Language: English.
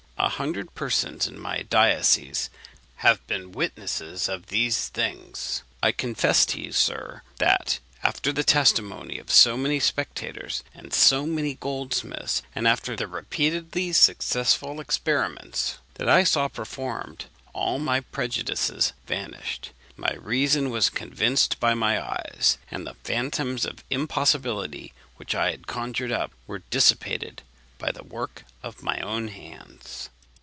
A hundred persons in my diocese have been witnesses of these things. I confess to you, sir, that, after the testimony of so many spectators and so many goldsmiths, and after the repeatedly successful experiments that I saw performed, all my prejudices vanished. My reason was convinced by my eyes; and the phantoms of impossibility which I had conjured up were dissipated by the work of my own hands.